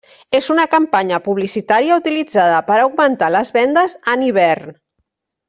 És una campanya publicitària utilitzada per a augmentar les vendes en hivern.